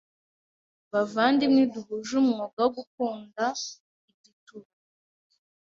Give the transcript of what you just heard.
Bavandimwe duhuje umwuga wo gukunda idituba,